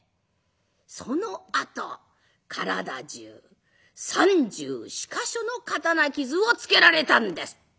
そのあと体中３４か所の刀傷をつけられたんです。